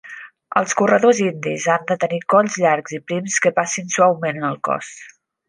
Els corredors indis han de tenir colls llargs i prims que passin suaument al cos.